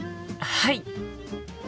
はい！